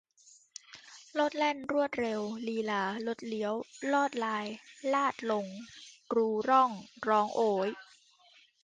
โลดแล่นรวดเร็วลีลาลดเลี้ยวลอดลายลาดลงรูร่องร้องโอ๊ย